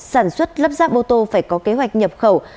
sản xuất lắp ráp ô tô phải có kế hoạch nhập khẩu